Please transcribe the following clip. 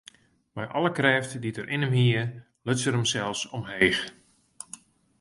Mei alle krêft dy't er yn him hie, luts er himsels omheech.